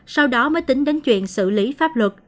sau đó mới tính đến chuyện xử lý pháp luật